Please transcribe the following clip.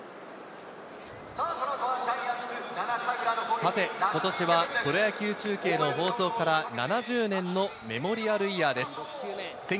さて今年はプロ野球中継の放送から７０年のメモリアルイヤーです。